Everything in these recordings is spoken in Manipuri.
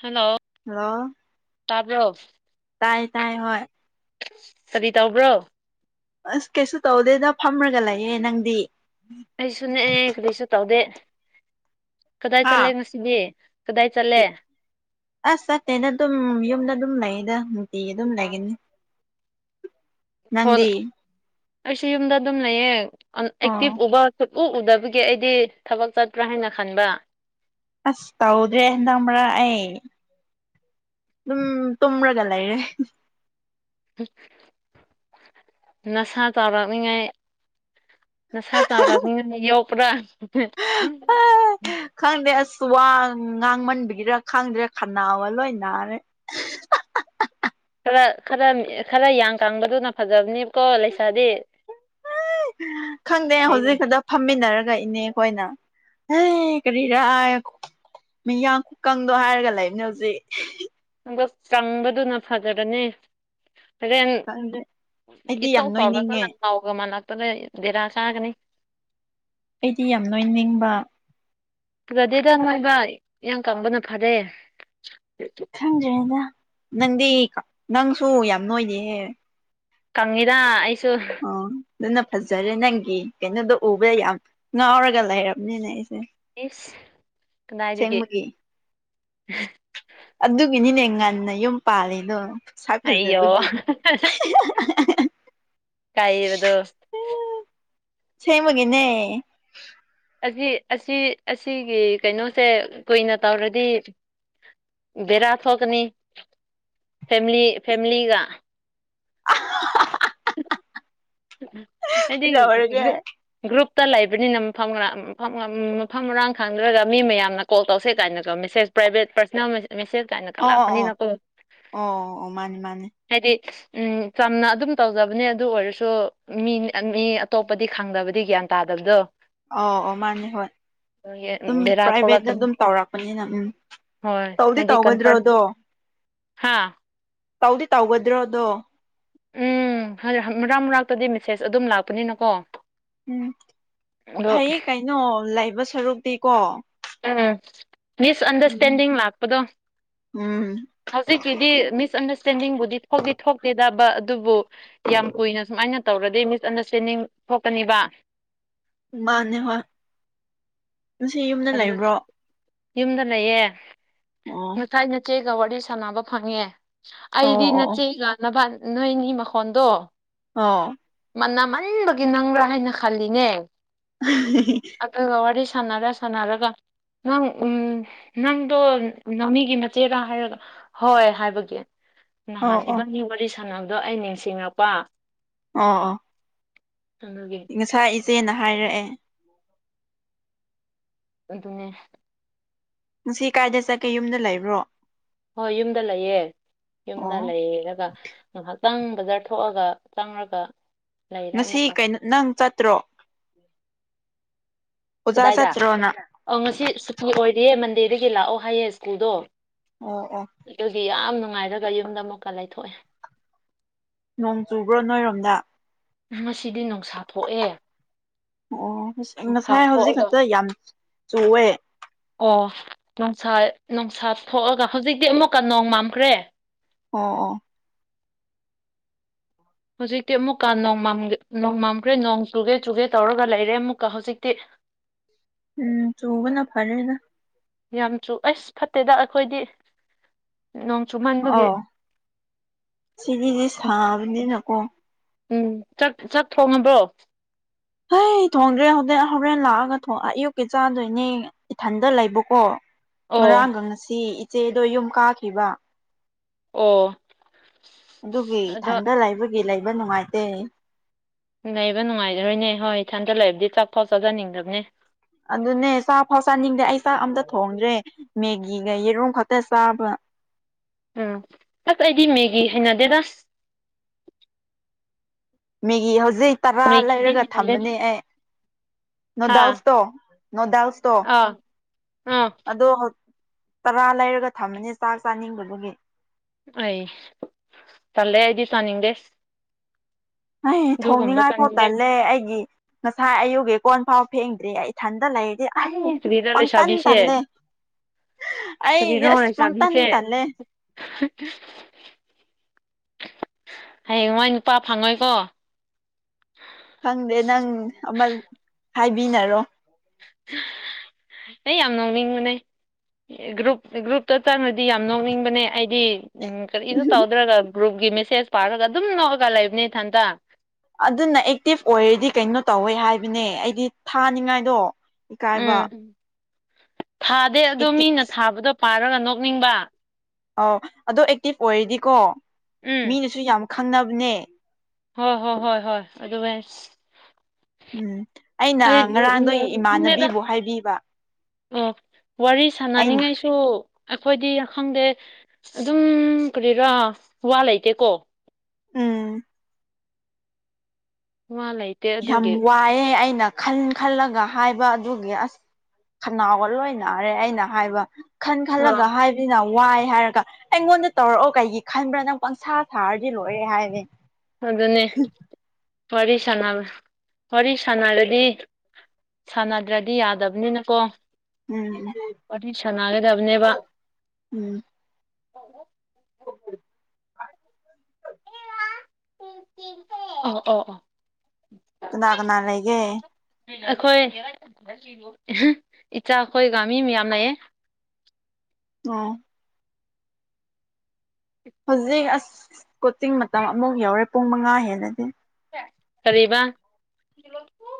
ꯍꯜꯂꯣ ꯍꯜꯂꯣ ꯇꯕ ꯇꯥꯏ ꯇꯥꯏ ꯍꯣꯏ ꯀꯔꯤ ꯇꯧꯕ꯭ꯔꯣ ꯑꯁ ꯀꯩꯁꯨ ꯇꯧꯗꯦꯗ ꯐꯝꯃꯒ ꯂꯩꯌꯦꯦ ꯅꯪꯗꯤ ꯑꯩꯁꯨ ꯅꯦꯛꯑꯦ ꯀꯗꯩꯁꯨ ꯇꯧꯗꯦ ꯀꯗꯥꯏ ꯍꯥ ꯆꯠꯂꯦ ꯉꯁꯤꯗꯤ ꯀꯗꯥꯏ ꯆꯠꯂꯦ ꯑꯁ ꯆꯠꯇꯦꯅ ꯑꯗꯨꯝ ꯌꯨꯝꯗ ꯑꯗꯨꯝ ꯂꯩꯗ ꯅꯨꯡꯇꯤ ꯑꯗꯨꯝ ꯂꯩꯒꯅꯤ ꯐꯣꯟ ꯃꯗꯤ ꯑꯩꯁꯨ ꯌꯨꯝꯗ ꯑꯗꯨꯝ ꯂꯩꯌꯦ ꯑꯣ ꯑꯦꯛꯇꯤꯚ ꯎꯕ ꯎ ꯎꯗꯕꯒꯤ ꯑꯩꯗꯤ ꯊꯕꯛ ꯆꯠꯄ꯭ꯔꯥ ꯍꯥꯏꯅ ꯈꯟꯕ ꯑꯁ ꯇꯧꯗ꯭ꯔꯦ ꯅꯝꯕ꯭ꯔꯥ ꯑꯩ ꯎꯝ ꯇ꯭ꯔꯒ ꯂꯩꯥꯏꯔꯦ ꯅꯁꯥ ꯆꯥꯎꯔꯛꯅꯤꯉꯥꯏ ꯅꯁꯥ ꯆꯥꯎꯔꯛꯕꯅ ꯌꯣꯛꯄ꯭ꯔꯥ ꯈꯪꯗꯁꯤ ꯇꯨꯋꯥ ꯉꯥꯡꯃꯟꯕꯤꯒꯤꯔꯥ ꯈꯥꯡꯗꯦꯔꯥ ꯈꯅꯥꯕ ꯂꯣꯏ ꯅꯥꯔꯦ ꯈꯔ ꯈꯔ ꯈꯔ ꯌꯥꯌꯥꯡ ꯀꯥꯡꯥꯡꯕꯗꯨꯅ ꯐꯖꯕꯅꯦꯕꯀꯣ ꯂꯩꯁꯥꯗꯤ ꯈꯪꯗꯦ ꯍꯧꯖꯤꯛ ꯊꯕꯛ ꯈꯛꯇ ꯐꯝꯃꯤꯟꯅꯔ ꯔꯛꯏꯅꯦ ꯑꯩꯈꯣꯏꯅ ꯍ ꯀꯔꯤꯔ ꯃꯤꯌꯥꯝꯡꯀꯪꯗꯣ ꯍꯥꯏꯔꯒ ꯂꯩꯕꯅꯦ ꯍꯧꯖꯤꯛ ꯆꯪꯕꯗꯨꯅ ꯐꯖꯕꯅꯤ ꯍꯌꯦꯡ ꯈꯪꯗꯦ ꯑꯩꯗꯤ ꯌꯥꯝ ꯏꯆꯧ ꯆꯥꯎꯒ ꯀ ꯅꯣꯏꯅꯤꯡꯉꯦ ꯂ ꯉꯥꯎꯒ ꯃꯅꯥꯛ ꯄꯂ ꯗꯔꯥ ꯁꯥꯒꯅꯤ ꯑꯩꯗꯤ ꯌꯥꯝ ꯅꯣꯏꯅꯤꯡꯕ ꯒꯥꯗꯤꯗ ꯅꯣꯏꯕ ꯌꯥꯝ ꯀꯪꯕꯅ ꯐꯔꯦ ꯈꯪꯗ꯭ꯔꯦꯗ ꯅꯪꯗꯤ ꯅꯪꯁꯨ ꯌꯥꯝ ꯅꯣꯏꯅꯦꯍꯦ ꯀꯪꯉꯤꯗ ꯑꯩꯁꯨ ꯑꯗꯨꯅ ꯐꯖꯔꯦ ꯅꯪꯒꯤ ꯀꯩꯅꯣꯗꯣ ꯎꯕꯗ ꯌꯥꯝ ꯉꯥꯎꯔꯒ ꯂꯩꯔꯕꯅꯤꯅ ꯑꯩꯁꯦ ꯏꯁ ꯀꯗꯥꯏꯒꯦ ꯑꯁꯦꯡꯕꯒꯤ ꯑꯗꯨꯒꯤꯅꯤꯅꯦ ꯉꯟꯅ ꯌꯨꯝ ꯄꯥꯜꯂꯤꯗꯣ ꯁꯥ ꯑꯩꯌꯣ ꯐꯖꯕꯗꯤ ꯀꯥꯏꯕꯗꯣ ꯁ ꯃꯒꯦꯅꯦ ꯑꯁꯤ ꯑꯁꯤ ꯑꯁꯤꯒꯤ ꯀꯩꯅꯣꯁꯦ ꯀꯨꯏꯅ ꯇꯧꯔꯗꯤ ꯕꯦꯔꯥ ꯊꯣꯛꯀꯅꯤ ꯐꯦꯃꯤꯂꯤ ꯐꯦꯃꯤꯂꯤꯒ [inaudible] ꯀꯩꯗꯧꯔꯒꯦ ꯍꯥꯏꯗꯤ꯭ꯔꯨ ꯇ ꯂꯩꯕꯅꯤꯅ ꯃꯐꯝꯥꯡ ꯃꯐꯝ ꯃꯐꯝ ꯃꯔꯥꯡ ꯈꯪꯗ꯭ꯔꯒ ꯃꯤ ꯃꯌꯥꯝꯅ ꯀꯣꯜ ꯇꯧꯁꯦ ꯀꯥꯏꯅꯗꯣ ꯃꯦꯁꯦꯁ ꯄ꯭ꯔꯥꯏꯚꯦꯠ ꯄꯔꯁꯅꯦꯜ ꯃꯦꯁꯦꯖ ꯀꯥꯏꯅ ꯀ ꯑꯣ ꯑꯣ ꯑꯣ ꯂꯥꯛꯄꯅꯤꯅꯀꯣ ꯑꯣ ꯑꯣ ꯃꯥꯅꯤ ꯃꯥꯅꯤ ꯍꯥꯏꯗꯤ ꯎꯝ ꯆꯝꯅ ꯑꯗꯨꯝ ꯇꯧꯖꯕꯅꯦ ꯑꯗꯨ ꯑꯣꯏꯔꯁꯨ ꯃꯤ ꯃꯤ ꯑꯇꯣꯞꯄꯗꯤ ꯈꯪꯗꯕꯗꯤ ꯒ꯭ꯌꯥꯟ ꯇꯥꯗꯕꯗꯣ ꯑꯣ ꯑꯣ ꯃꯥꯅꯤ ꯍꯣꯏ ꯑꯗꯨꯝ ꯕꯦꯔꯥ ꯄ꯭ꯔꯥꯏꯚꯦꯠꯅ ꯊꯣꯛꯂꯛꯀꯅꯤ ꯑꯗꯨꯝ ꯇꯧꯔꯛꯄꯅꯤꯅ ꯎꯝ ꯍꯣꯏ ꯇꯧꯗꯤ ꯇꯧꯒꯗ꯭ꯔꯣꯗꯣ ꯍꯥꯥ ꯇꯧꯗꯤ ꯇꯧꯒꯗ꯭ꯔꯣꯗꯣ ꯎꯝ ꯃꯔꯥꯡ ꯃꯔꯥꯛꯇꯗꯤ ꯃꯦꯁꯦꯖ ꯑꯗꯨꯝ ꯂꯥꯛꯄꯅꯤꯅꯀꯣ ꯎꯝ ꯑꯗꯣ ꯐꯩ ꯀꯩꯅꯣ ꯂꯩꯕ ꯁꯔꯨꯛꯇꯤꯀꯣ ꯎꯝ ꯃꯤꯁꯑꯟꯗꯔꯁꯇꯦꯟꯗꯤꯡ ꯂꯥꯛꯄꯗꯣ ꯎꯝ ꯍꯧꯖꯤꯛꯀꯤꯗꯤ ꯃꯤꯁꯑꯟꯗꯔꯁꯇꯦꯟꯗꯤꯡꯕꯨꯗꯤ ꯊꯣꯛꯥꯎꯗꯤ ꯊꯣꯛꯇꯦꯗꯕ ꯑꯗꯨꯕꯨ ꯌꯥꯝ ꯀꯨꯏꯅ ꯁꯨꯃꯥꯏꯅ ꯇꯧꯔꯗꯤ ꯃꯤꯁꯑꯟꯗꯔꯁꯇꯦꯟꯗꯤꯡ ꯊꯣꯛꯀꯅꯤꯕ ꯃꯥꯅꯦ ꯍꯣꯏ ꯉꯁꯤ ꯌꯨꯝꯗ ꯑꯗꯨ ꯂꯩꯕ꯭ꯔꯣ ꯌꯨꯝꯗ ꯂꯩꯌꯦ ꯑꯣ ꯉꯁꯥꯏ ꯅꯆꯦꯒ ꯋꯥꯔꯤ ꯁꯥꯟꯅꯕ ꯐꯪꯉꯦ ꯑꯣ ꯑꯩꯗꯤ ꯑꯣ ꯑꯣ ꯅꯆꯦꯒꯥꯟꯅꯕ ꯅꯣꯏꯒꯤ ꯃꯈꯣꯟꯗꯣ ꯑꯣ ꯃꯅꯝꯃꯟꯕꯒꯤ ꯅꯪꯕ꯭ꯔꯥ ꯍꯥꯏꯅ ꯈꯜꯂꯤꯅꯦ [unintelligible] ꯁꯥꯟꯅꯗ ꯁꯥꯟꯅꯗꯒ ꯅꯪ ꯎ ꯅꯪꯗꯣ ꯉꯃꯤꯒꯤ ꯃꯆꯦꯔ ꯍꯥꯏꯔ ꯍꯣꯏ ꯍꯥꯏꯕꯒꯤ ꯅꯍꯥꯟ ꯑꯣ ꯑꯣ ꯏꯕꯥꯟꯒꯤ ꯋꯥꯔꯤ ꯁꯥꯟꯅꯕꯗꯣ ꯑꯩ ꯅꯤꯡꯁꯤꯡꯉꯛꯄ ꯑꯥ ꯑꯥ ꯆꯪꯒꯦ ꯁꯦꯅ ꯍꯥꯏꯔꯛꯑꯦ ꯑꯗꯨꯗꯨꯅꯦ ꯁꯤ ꯀꯥꯏꯗ ꯆꯠꯀꯦ ꯌꯨꯝꯗ ꯂꯩꯕ꯭ꯔꯣ ꯍꯣꯏ ꯌꯨꯝꯗ ꯂꯩꯌꯦ ꯌꯨꯝꯗ ꯑꯣ ꯂꯩꯌꯦꯦꯔ ꯉꯥꯏꯍꯥꯛ ꯆꯪ ꯕꯖꯥꯔ ꯊꯣꯛꯑꯒ ꯆꯪꯉꯒ ꯉꯁꯤꯩꯅ ꯅꯪ ꯆꯠꯇ꯭ꯔꯣ ꯑꯣꯖꯥ ꯀꯗꯥꯏꯗ ꯆꯠꯇ꯭ꯔꯣꯅ ꯑ ꯉꯁꯤ ꯁꯨꯇꯤ ꯑꯣꯏꯔꯤꯌꯦ ꯃꯟꯗꯦꯗꯒꯤ ꯂꯥꯛꯑꯣ ꯍꯥꯏꯌꯦ ꯁ꯭ꯀꯨꯜꯗꯣ ꯑꯩ ꯑꯣ ꯑꯣ ꯑꯗꯨꯒꯤ ꯌꯥꯝ ꯅꯨꯡꯉꯥꯏꯔꯒ ꯌꯨꯝꯗ ꯑꯃꯨꯛꯀ ꯂꯩꯊꯣꯛꯑꯦ ꯅꯣꯡ ꯆꯨꯕ꯭ꯔꯣ ꯅꯣꯏꯔꯣꯝꯗ ꯉꯁꯤꯗꯤ ꯅꯨꯡꯁꯥ ꯊꯣꯛꯑꯦ ꯑꯣ ꯅꯨꯡꯁꯥ ꯉꯁꯥꯏ ꯍꯧꯖꯤꯛ ꯊꯣꯛꯑꯒ ꯈꯛꯇ ꯌꯥꯝ ꯆꯨꯋꯦ ꯑꯣ ꯅꯨꯡꯁꯥ ꯅꯨꯡꯁꯥ ꯊꯣꯛꯑꯒ ꯍꯧꯖꯤꯛꯇꯤ ꯑꯃꯨꯛꯀ ꯅꯣꯡ ꯃꯝꯈ꯭ꯔꯦ ꯑꯣ ꯑ ꯍꯧꯖꯤꯛꯇꯤ ꯑꯃꯨꯛꯀ ꯅꯣꯡ ꯅꯣꯡꯃꯝꯈ꯭ꯔꯦ ꯅꯣꯡ ꯆꯨꯒꯦ ꯆꯨꯒꯦ ꯇꯧꯔꯒ ꯂꯩꯔꯦ ꯑꯃꯨꯛꯀ ꯍꯧꯖꯤꯛꯇꯤ [inaudible] ꯎꯝ ꯇꯕꯅꯥ ꯐꯔꯦꯅ ꯌꯥꯝ ꯆꯨ ꯑꯁ ꯐꯠꯇꯦꯗ ꯑꯩꯈꯣꯏꯗꯤ ꯅꯣꯡ ꯆꯨꯃꯟꯕꯒꯤ ꯑꯥꯎ ꯁꯤꯒꯤꯗꯤꯦ ꯁꯥꯕꯅꯤꯅꯀꯣ ꯎꯝꯥꯛ ꯆꯥꯛ ꯊꯣꯡꯉꯕ꯭ꯔꯣ ꯑꯩ ꯊꯣꯡꯗ꯭ꯔꯦ ꯍꯣꯔꯦꯟ ꯍꯣꯔꯦꯟ ꯂꯥꯛꯑꯒ ꯑꯌꯨꯛꯀꯤ ꯆꯥꯗꯣꯏꯅꯦ ꯏꯊꯟꯗ ꯂꯩꯕꯀꯣ ꯑꯣ ꯉꯥꯡꯒꯪꯁꯤ ꯏꯆꯦꯗꯣ ꯌꯨꯝ ꯀꯥꯈꯤꯕ ꯑꯣ ꯑꯗꯨꯒꯤ ꯑꯗꯣ ꯊꯟꯗ ꯂꯩꯕꯒꯤ ꯂꯩꯕ ꯅꯨꯡꯉꯥꯏꯇꯦ ꯂꯩꯕ ꯅꯨꯡꯉꯥꯏꯖꯔꯣꯏꯅꯦ ꯍꯣꯏ ꯏꯊꯟꯗ ꯂꯩꯕꯗꯤ ꯆꯥꯛ ꯊꯥꯎ ꯆꯥꯖꯅꯤꯡꯗꯕꯅꯦ ꯑꯗꯨꯅꯦ ꯆꯥꯛꯐꯥꯎ ꯆꯥꯅꯤꯡꯗꯦ ꯑꯩ ꯆꯥꯛ ꯑꯝꯇ ꯊꯣꯡꯗ꯭ꯔꯦ ꯃꯦꯒꯤꯒ ꯌꯦꯔꯨꯝ ꯈꯛꯇ ꯆꯥꯕ ꯎꯝ ꯑꯁ ꯑꯩꯗꯤ ꯃꯦꯒꯤ ꯍꯩꯅꯗꯦꯗꯁ ꯃꯤꯦꯒꯤ ꯍꯧꯖꯤꯛ ꯇꯔꯥ ꯃꯦꯒꯤꯗꯤ ꯂꯩꯔꯒ ꯍꯩꯅꯗꯦ ꯊꯝꯕꯅꯦ ꯑꯩ ꯍꯥ ꯅꯣꯗꯥꯜꯁꯇꯣ ꯅꯣꯗꯥꯜꯁꯇꯣ ꯑꯥ ꯑꯥ ꯑꯗꯣ ꯇꯔꯥ ꯂꯩꯔꯒ ꯊꯝꯃꯅꯦ ꯆꯥꯛ ꯆꯥꯅꯤꯡꯕꯒꯤ ꯑꯩ ꯆꯜꯂꯦ ꯑꯩꯗꯤ ꯆꯥꯅꯤꯡꯗꯦ ꯑꯩ ꯑꯗꯨꯒꯨꯝꯕ ꯊꯣꯡꯅꯤꯡꯉꯥꯏ ꯐꯥꯎ ꯆꯥꯅꯤꯡꯗꯦ ꯇꯂ ꯑꯩꯒꯤ ꯉꯁꯥꯏ ꯑꯌꯨꯛꯒꯤ ꯀꯣꯟ ꯐꯥꯎ ꯐꯦꯡꯗ꯭ꯔꯤ ꯑꯩ ꯗ ꯂꯩꯗꯤ ꯑ ꯑꯩ ꯀꯔꯤꯔ ꯄꯪ ꯇꯥꯟ ꯂꯩꯁꯥꯕꯤꯁꯦ ꯇꯜꯂꯦ ꯑꯩ ꯀꯔꯤꯅꯣ ꯌꯦꯁ ꯄꯪꯇꯥꯟ ꯂꯩꯁꯥꯕꯤꯁꯦ ꯇꯂꯦ ꯍꯌꯦꯡꯋꯥꯏ ꯅꯨꯄꯥ ꯐꯪꯉꯣꯏꯀꯣ ꯈꯪꯗꯦ ꯅꯪ ꯑꯃ ꯍꯥꯏꯕꯤꯅꯔꯣ ꯑꯩ ꯌꯥꯝ ꯅꯥꯎꯅꯤꯡꯉꯨꯅꯦ ꯒ꯭ꯔꯨꯞ ꯒ꯭ꯔꯨꯞꯇ ꯆꯪꯉꯗꯤ ꯌꯥꯝ ꯅꯣꯛꯅꯤꯡꯕꯅꯦ ꯑꯩꯗꯤ ꯎꯝ ꯀꯔꯤꯁꯨ ꯇꯧꯗ꯭ꯔꯒ ꯒ꯭ꯔꯨꯞꯀꯤ ꯃꯦꯁꯦꯖ ꯄꯥꯔꯒ ꯑꯗꯨꯝ ꯅꯣꯛꯑꯒ ꯂꯩꯕꯅꯤ ꯏꯊꯟꯇꯥ ꯑꯗꯨꯅ ꯑꯦꯛꯇꯤꯚ ꯑꯣꯏꯔꯗꯤ ꯀꯩꯅꯣ ꯇꯧꯋꯦ ꯍꯥꯏꯕꯅꯦ ꯑꯩꯗꯤ ꯊꯥꯅꯤꯡꯉꯥꯏꯗꯣ ꯏꯀꯥꯏꯕ ꯎꯝ ꯊꯥꯗꯦ ꯑꯗꯣ ꯑꯦꯛꯇꯤꯞ ꯃꯤꯅ ꯊꯥꯕꯗꯣ ꯄꯥꯔꯒ ꯅꯣꯛꯅꯤꯡꯕ ꯑ ꯑꯗꯣ ꯑꯦꯛꯇꯤꯚ ꯑꯣꯏꯔꯗꯤꯀꯣ ꯎꯝ ꯃꯤꯅꯁꯨ ꯌꯥꯝ ꯈꯪꯅꯕꯅꯦ ꯍꯣꯏ ꯍꯣꯏ ꯍꯣꯏ ꯍꯣꯏ ꯑꯗꯨ ꯎꯝ ꯑꯩꯅ ꯉꯔꯥꯡꯗꯣ ꯈꯪꯗꯦꯗ ꯏꯃꯥꯟꯅꯕꯤꯕꯨ ꯍꯥꯏꯕꯤꯕ ꯑꯣ ꯋꯥꯔꯤ ꯑꯩꯅ ꯁꯥꯟꯅꯅꯤꯡꯉꯥꯏꯁꯨ ꯑꯩꯈꯣꯏꯗꯤ ꯈꯪꯗꯦ ꯑꯗꯨꯝ ꯀꯔꯤꯔꯥ ꯋꯥ ꯂꯩꯇꯦꯀꯣ ꯎꯝ ꯋꯥ ꯂꯩꯇꯦ ꯌꯥꯝ ꯑꯗꯨꯒꯤ ꯋꯥꯏꯑꯦ ꯑꯩꯅ ꯈꯟ ꯈꯜꯂꯒ ꯍꯥꯏꯕ ꯑꯗꯨꯒꯤ ꯑꯁ ꯈꯅꯥꯎꯒ ꯂꯣꯏꯅꯔꯦ ꯑꯩꯅ ꯍꯥꯏꯕ ꯈꯟ ꯈꯜꯂꯒ ꯑ ꯍꯥꯏꯕꯅ ꯋꯥꯏ ꯍꯥꯏꯔꯒ ꯑꯩꯉꯣꯟꯗ ꯇꯧꯔꯛꯑꯣ ꯀꯩꯒꯤ ꯈꯟꯕ꯭ꯔꯥ ꯅꯪ ꯄꯪꯁꯥ ꯁꯥꯔꯗꯤ ꯂꯣꯏꯔꯦ ꯍꯥꯏꯅꯤ ꯑꯗꯨꯅꯦ ꯋꯥꯔꯤ ꯁꯥꯟꯅꯕ ꯋꯥꯔꯤ ꯁꯥꯟꯅꯔꯗꯤ ꯁꯥꯟꯅꯗ꯭ꯔꯗꯤ ꯌꯥꯗꯕꯅꯤꯅꯀꯣ ꯎꯝ ꯄꯥꯇ ꯁꯥꯟꯅꯥꯒꯗꯕꯅꯦꯕ ꯎꯝ ꯑ ꯑꯣ ꯑꯣ ꯀꯅꯥ ꯀꯅꯥ ꯂꯩꯒꯦ ꯑꯩꯈꯣꯏ ꯏꯆꯥꯈꯣꯏꯒꯃꯤ ꯃꯌꯥꯝ ꯂꯩꯌꯦ [inaudible] ꯑꯥ ꯍꯧꯖꯤꯛ ꯑꯁ ꯀꯣꯆꯤꯡ ꯃꯇꯝ ꯑꯃꯨꯛ ꯌꯧꯔꯦ ꯄꯨꯡ ꯃꯉꯥ ꯍꯦꯟꯅꯗꯤ ꯀꯔꯤꯕ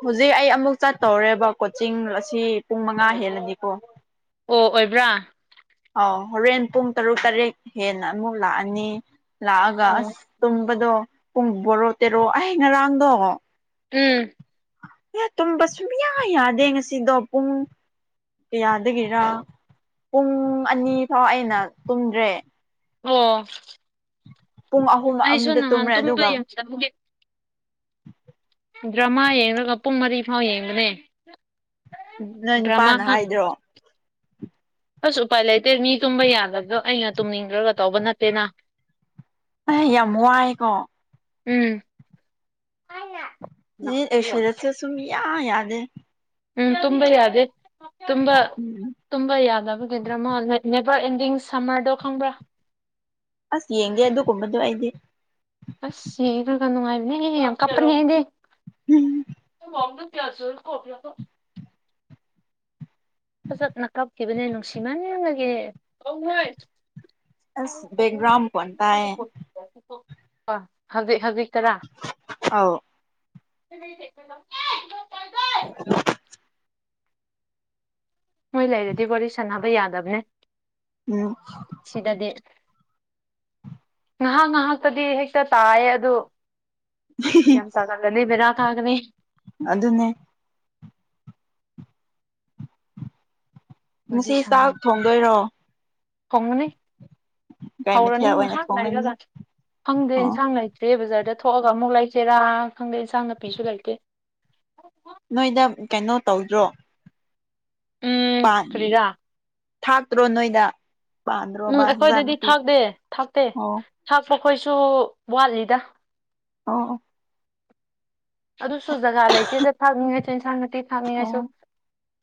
ꯍꯧꯖꯤꯛ ꯑꯩ ꯑꯃꯨꯛ ꯆꯠꯇꯧꯔꯦꯕ ꯀꯣꯆꯤꯡ ꯑꯁꯤ ꯄꯨꯡ ꯃꯉꯥ ꯍꯦꯜꯂꯗꯤꯀꯣ ꯑꯣ ꯑꯣꯏꯕ꯭ꯔꯥ ꯑꯥꯎ ꯍꯣꯔꯦꯟ ꯄꯨꯡ ꯇꯔꯨꯛ ꯇꯔꯦꯠ ꯍꯦꯟꯅ ꯑꯃꯨꯛ ꯂꯥꯛꯑꯅꯤ ꯂꯥꯛꯑꯒ ꯑꯁ ꯑꯣ ꯇꯨꯝꯕꯗꯣ ꯄꯨꯡ ꯕꯣꯔꯣ ꯇꯦꯔꯣ ꯑꯍꯩ ꯉꯔꯥꯡꯗꯣ ꯎꯝ ꯑ ꯇꯨꯝꯕ ꯁꯨꯝꯌꯥ ꯌꯥꯗꯦ ꯉꯁꯤꯗꯣ ꯄꯨꯡ ꯀꯌꯥꯗꯒꯤꯦꯔꯥ ꯄꯨꯡ ꯑꯅꯤ ꯐꯥꯎ ꯑꯩꯅ ꯇꯨꯝꯗ꯭ꯔꯦ ꯑꯣ ꯄꯨꯡ ꯑꯍꯨꯝ ꯑꯩꯁꯨ ꯑꯃꯗ ꯅꯍꯥꯟ ꯇꯨꯝꯔꯦ ꯇꯨꯝꯕ ꯑꯗꯨꯒ ꯌꯦꯡꯖꯕꯒꯦ ꯗ꯭ꯔꯃꯥ ꯌꯦ ꯌꯦꯡꯂꯒ ꯄꯨꯡ ꯃꯔꯤ ꯐꯥꯎ ꯌꯦꯡꯕꯅꯦ ꯅꯣꯏ ꯅꯨꯄꯥꯅ ꯗ꯭ꯔꯃꯒ ꯍꯥꯏꯗ꯭ꯔꯣ ꯑꯁ ꯎꯄꯥꯏ ꯂꯩꯇꯦ ꯃꯤ ꯇꯨꯝꯕ ꯌꯥꯗꯗꯣ ꯑꯩꯅ ꯇꯨꯝꯅꯤꯡꯗ꯭ꯔꯒ ꯇꯧꯕ ꯅꯠꯇꯦꯅ ꯑ ꯌꯥꯝ ꯋꯥꯏꯀꯣ ꯎꯝ ꯎ ꯑꯦꯔꯁ ꯁꯨꯝ ꯌꯥ ꯌꯥꯗꯦ ꯎꯝ ꯇꯨꯝꯕ ꯌꯥꯗꯦ ꯇꯕ ꯎꯝ ꯇꯨꯝꯕ ꯌꯥꯗꯕꯒꯤꯗ꯭ꯔꯃꯣ ꯕꯥꯔ ꯑꯦꯟꯗꯤꯡ ꯁꯝꯃꯔꯗꯣ ꯈꯪꯕ꯭ꯔꯥ ꯑꯁ ꯌꯦꯡꯒꯦ ꯑꯗꯨꯒꯨꯝꯕꯗꯣ ꯑꯩꯗꯤ ꯑꯁ ꯌꯦꯒ ꯀꯅꯅꯨꯡꯉꯥꯏꯅꯦ ꯀꯞꯄꯦꯗ ꯎꯝ ꯐꯣ ꯅ ꯀꯌꯥꯁꯨ ꯀꯣꯕꯣ ꯐꯖꯠ ꯅꯥꯀꯥꯞꯈꯤꯕꯅꯦ ꯅꯨꯡꯁꯤꯃꯅꯦ ꯌꯦꯡꯉꯒꯦ ꯑꯁ ꯦꯛꯒ꯭ꯔꯥꯎꯟ ꯀꯟꯇꯥꯏ ꯑ ꯍꯧꯖꯤꯛ ꯍꯧꯖꯤꯛ ꯇꯔꯥ ꯑꯧ ꯊ [inaudible] ꯃꯣꯏ ꯂꯩꯔꯗꯤ ꯋꯥꯔꯤꯕ ꯁꯥꯟꯅꯕ ꯌꯥꯗꯕꯅꯦ ꯎꯝ ꯁꯤꯗꯗꯤ ꯉꯥꯏꯍꯥꯛ ꯉꯥꯏꯍꯥꯛꯇꯗꯤ ꯍꯦꯛꯇ ꯇꯥꯏꯌꯦ ꯑꯗꯨ ꯌꯦ ꯇꯒꯂ ꯂꯩꯕꯤꯔ ꯀꯒꯅꯦ ꯑꯗꯨꯅꯦ ꯉꯁꯤ ꯆꯥꯛ ꯊꯣꯡꯗꯣꯏꯔꯣ ꯀꯉꯅꯤ ꯀꯩ ꯍꯧꯔꯅꯤ ꯃꯊꯦꯜ ꯑꯣꯏꯅ ꯉꯥꯏꯍꯥꯛ ꯊꯣꯡꯉꯅꯤ ꯂꯥꯏꯔꯒ ꯐꯪꯗ꯭ꯔꯦ ꯑꯣ ꯏꯟꯁꯥꯡ ꯂꯩꯇ꯭ꯔꯦ ꯕꯖꯥꯔꯗ ꯊꯣꯛꯑꯒ ꯑꯃꯨꯛ ꯂꯩꯁꯦꯔꯥ ꯈꯪꯗꯦ ꯏꯟꯁꯥꯡ ꯅꯥꯄꯤꯁꯨ ꯂꯩꯇꯦ ꯅꯣꯏꯗ ꯀꯩꯅꯣ ꯇꯧꯗ꯭ꯔꯣ ꯎꯝ ꯄ ꯀꯔꯤꯔꯥ ꯊꯥꯛꯇ꯭ꯔꯣ ꯅꯣꯏꯗ ꯎꯝ ꯄꯥꯟꯗ꯭ꯔꯣꯕ ꯍꯤꯟꯖꯥꯡ ꯑꯩꯈꯣꯏꯗꯗꯤ ꯅꯥꯄꯤ ꯊꯥꯛꯇꯦ ꯊꯥꯛꯇꯦ ꯑꯣ ꯊꯥꯛꯄꯈꯣꯏꯁꯨ ꯋꯥꯠꯂꯤꯗ ꯑ ꯑꯗꯨꯁꯨ ꯖꯒꯥ ꯂꯩꯇꯦꯗ ꯊꯥꯛꯅꯤꯡꯉꯥꯏꯁꯨ ꯑꯦꯟꯁꯥꯡ ꯅꯥꯇꯤ ꯊꯥꯛꯅꯤꯡꯉꯥꯏꯁꯨ ꯑꯣ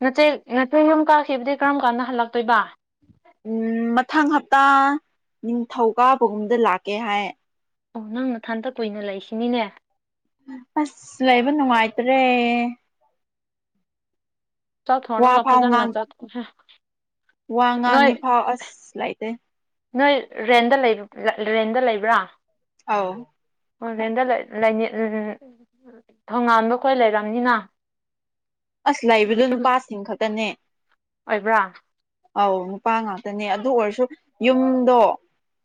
ꯅꯆꯦ ꯅꯊꯣꯏ ꯌꯨꯝ ꯀꯥꯈꯤꯕꯗꯤ ꯀꯔꯝ ꯀꯥꯟꯗ ꯍꯜꯂꯛꯇꯣꯏꯕ ꯎꯝ ꯃꯊꯪ ꯍꯞꯇꯥ ꯅꯤꯡꯊꯧ ꯀꯥꯕꯒꯨꯝꯗ ꯂꯥꯛꯀꯦ ꯍꯥꯏ ꯑꯣ ꯅꯪꯅ ꯊꯟꯇ ꯀꯨꯏꯅ ꯂꯩꯁꯤꯅꯤꯅꯦ ꯑꯁ ꯂꯩꯕ ꯅꯨꯡꯉꯥꯏꯇ꯭ꯔꯦ ꯆꯠꯣꯅꯒ ꯐꯥꯎ ꯐꯖꯅ ꯆꯠꯀ ꯋꯥ ꯉꯥꯡ ꯅꯤꯐꯥꯎ ꯑꯁ ꯂꯩꯇꯦ ꯅꯣꯏ ꯔꯦꯟꯗ ꯂꯩ ꯔꯦꯟꯗ ꯂꯩꯕ꯭ꯔꯥ ꯑꯥꯎ ꯑꯣꯂꯦꯟꯗ ꯊꯣꯉꯥꯟꯕ ꯈꯣꯏ ꯂꯩꯔꯕꯝꯅꯤꯅ ꯑꯁ ꯂꯩꯕꯗꯣ ꯅꯨꯄꯥꯁꯤꯡ ꯈꯛꯇꯅꯦ ꯑꯣꯏꯕ꯭ꯔꯥ ꯑꯧ ꯅꯨꯄꯥ ꯉꯥꯛꯇꯅꯦ ꯑꯗꯨ ꯑꯣꯏꯔꯁꯨ ꯌꯨꯝꯗꯣ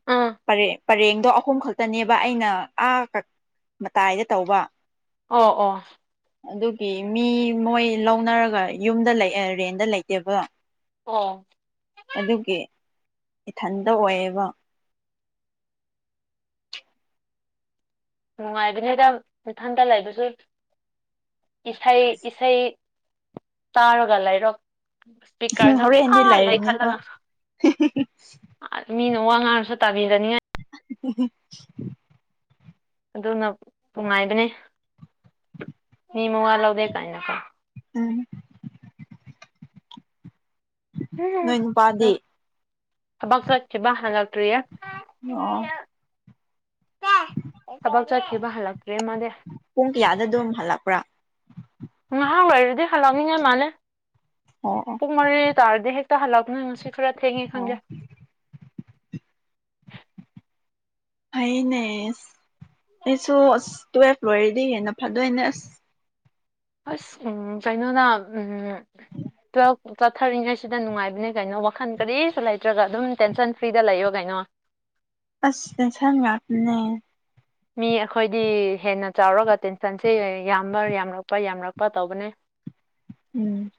ꯑꯥ ꯄꯔꯦꯡ ꯄꯔꯦꯡꯗꯣ ꯑꯍꯨꯝ ꯈꯛꯇꯅꯦꯕ ꯑꯩꯅ ꯑꯥꯛ ꯃꯇꯥꯏꯗ ꯇꯧꯕ ꯑꯣ ꯑꯣ ꯑꯗꯨꯒꯤ ꯃꯤ ꯃꯣꯏ ꯂꯧꯅꯔꯒ ꯌꯨꯝꯗ ꯂꯩ ꯔꯦꯟꯗ ꯂꯩꯇꯦꯕ ꯑꯣ ꯑꯗꯨꯒꯤ ꯏꯊꯟꯇ ꯑꯣꯏꯌꯦꯕ ꯅꯨꯡꯉꯥꯏꯕꯅꯦꯗ ꯏꯊꯟꯇ ꯂꯩꯕꯁꯨ ꯏꯁꯥꯏ ꯏꯁꯆꯥꯏ ꯇꯥꯔꯒꯂꯥꯏꯔꯛ ꯁ ꯀꯔꯅ ꯍꯣꯔꯦꯟꯗꯤ ꯍꯂ ꯑꯦ ꯂꯩꯔꯅꯤ ꯈꯂ ꯉ ꯍꯣꯏ ꯃꯤꯅ ꯋꯥ ꯉꯥꯡꯔꯁꯨ ꯇꯥꯕꯤꯔꯅꯤꯉꯥꯏ [inaudible] ꯑꯗꯨꯅ ꯅꯨꯡꯉꯥꯏꯕꯅꯦ ꯃꯤ ꯃꯉꯥ ꯂꯧꯗꯦ ꯀꯥꯏꯅ ꯀꯥꯏ ꯎꯝ ꯅꯣꯏ ꯅꯨꯄꯥꯗꯤ ꯑꯕꯥꯛ ꯆꯠ ꯆꯦꯕ ꯍꯉꯥꯛꯇꯔꯤꯔꯤꯌꯥ ꯑꯣ ꯊꯕꯛ ꯆꯠꯈꯤꯕ ꯍꯜꯂꯛꯇ꯭ꯔꯦ ꯃꯥꯅꯦꯦ ꯄꯨꯡ ꯀꯌꯥꯗ ꯑꯗꯨꯝ ꯍꯜꯂꯛꯄ꯭ꯔꯥ ꯉꯥꯏꯍꯥꯡ ꯂꯩꯔꯗꯤ ꯍꯜꯂꯛꯅꯤꯡꯉ ꯃꯥꯜꯅꯦꯦ ꯑꯣ ꯑꯣ ꯄꯨꯡ ꯃꯔꯤ ꯇꯥꯔꯗꯤ ꯍꯦꯛ ꯇ ꯍꯜꯂꯛꯅ ꯉꯁꯤ ꯈꯔ ꯊꯦꯡꯉꯦ ꯑꯣ ꯈꯪꯖꯦ ꯍꯅꯦꯁꯨ ꯇꯋ ꯂꯣꯏꯔꯗꯤ ꯍꯦꯟꯅ ꯐꯥꯗꯣꯏꯅꯦ ꯑꯁ ꯑꯁ ꯎ ꯀꯩꯅꯣꯅ ꯇ꯭ꯋꯦꯜꯐ ꯆꯠꯊꯔꯤꯉꯩꯁꯤꯗ ꯅꯨꯡꯉꯥꯏꯕꯅꯦ ꯀꯩꯅꯣ ꯋꯥꯈꯟ ꯀꯔꯤꯁꯨ ꯂꯩꯇ꯭ꯔꯒ ꯑꯗꯨꯝ ꯇꯦꯟꯁꯟ ꯐ꯭ꯔꯤꯗ ꯂꯩꯌꯣ ꯀꯩꯅꯣ [inaudible] ꯑꯁꯁ ꯌꯥꯅꯦ ꯃꯤ ꯑꯩꯈꯣꯏꯗꯤ ꯍꯦꯟꯅ ꯆꯥꯎꯔꯒ ꯇꯦꯟꯁꯟꯁꯦ ꯌꯥꯝꯕ ꯌꯥꯝꯔꯛꯄ ꯌꯥꯝꯔꯛꯄ ꯇꯧꯕꯅꯦ [inaudible] ꯎꯝ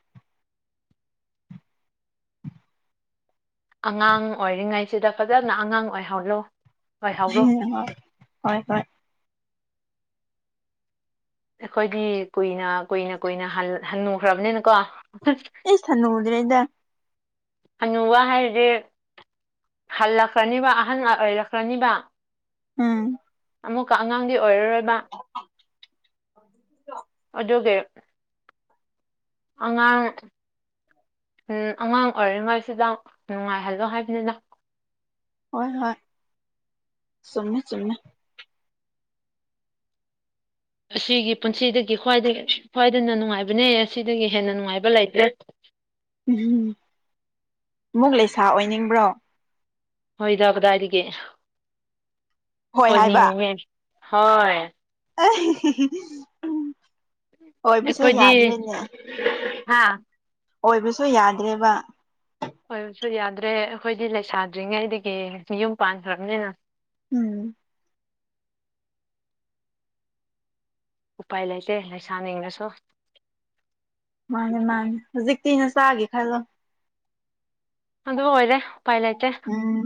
ꯑꯉꯥꯡ ꯑꯣꯏꯔꯤꯉꯩꯁꯤꯗ ꯐꯖꯅ ꯑꯉꯥꯡ ꯑꯣꯏꯍꯧꯂꯣ ꯎ ꯍ ꯍꯣꯏ ꯍꯣꯏ ꯑꯩꯈꯣꯏꯗꯤ ꯀꯨꯏꯅ ꯀꯨꯏꯅ ꯀꯨꯏꯅ ꯍꯟꯅꯨꯈ꯭ꯔꯕꯅꯤꯅꯀꯣ ꯑꯩ ꯁꯅ ꯍꯗ ꯔꯗ ꯑꯅꯨꯧꯕ ꯍꯥꯏꯁꯦ ꯍꯜꯂꯛꯈ꯭ꯔꯅꯤꯕ ꯑꯍꯜ ꯑꯣꯏꯔꯛꯈ꯭ꯔꯅꯤꯕ ꯎꯝ ꯑꯃꯨꯛꯀ ꯑꯉꯥꯡꯗꯤ ꯑꯣꯏꯔꯔꯣꯏꯕ ꯑꯗꯨꯒꯤ ꯑꯉꯥꯡ ꯎꯝ ꯑꯉꯥꯡ ꯑꯣꯏꯔꯤꯉꯩꯁꯤꯗ ꯅꯨꯡꯉꯥꯏꯍꯜꯂꯣ ꯍꯥꯏꯕꯅꯤꯅ ꯍꯣꯏ ꯍꯣꯏ ꯆꯨꯝꯃꯦ ꯆꯨꯝꯃꯦ ꯑꯁꯤꯒꯤ ꯄꯨꯟꯁꯤꯗꯒꯤ ꯈ꯭ꯋꯥꯏ ꯈ꯭ꯋꯥꯏꯗꯅ ꯅꯨꯡꯉꯥꯏꯕꯅꯦ ꯑꯁꯤꯗꯒꯤ ꯍꯦꯟꯅ ꯅꯨꯡꯉꯥꯏꯕ ꯂꯩꯇꯦ ꯎꯝ ꯑꯃꯨꯛ ꯂꯩꯁꯥ ꯑꯣꯏꯅꯤꯡꯕ꯭ꯔꯣ ꯍꯣꯏꯗ ꯀꯗꯥꯏꯗꯒꯤ ꯍꯣꯏ ꯑꯣꯏꯅꯤꯡꯉꯤ ꯍꯣꯏ ꯑ ꯎ ꯑꯣꯏꯕꯁꯨ ꯑꯩꯈꯣꯏꯗꯤ ꯌꯥꯗ꯭ꯔꯤꯅꯦ ꯍꯥ ꯑꯣꯏꯕꯁꯨ ꯌꯥꯗ꯭ꯔꯦꯕ ꯍꯣꯏꯁꯨ ꯌꯥꯗ꯭ꯔꯦ ꯑꯩꯈꯣꯏꯗꯤ ꯂꯩꯁꯥꯗ꯭ꯔꯤꯉꯩꯗꯒꯤ ꯌꯨꯝ ꯄꯥꯟꯈ꯭ꯔꯕꯅꯤꯅ ꯎꯝ ꯎꯄꯥꯥꯏ ꯂꯩ ꯆꯦ ꯁꯅꯗꯁꯣ ꯃꯥꯅꯦ ꯃꯥꯅꯦ ꯍꯧꯖꯤꯛꯇꯤꯅ ꯆꯥꯒꯦ ꯈꯜꯂꯣ ꯑꯗꯨ ꯑꯣꯏꯔꯦ ꯎꯄꯥꯏ ꯂꯩꯇꯦ ꯎꯝ